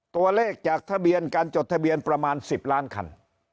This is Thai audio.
ตัวเลขจากทะเบียนการจดทะเบียนประมาณ๑๐ล้านคัน